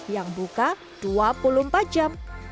yang buka dua puluh empat jam